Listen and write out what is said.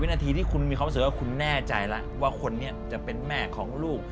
นาทีที่คุณมีความรู้สึกว่าคุณแน่ใจแล้วว่าคนนี้จะเป็นแม่ของลูก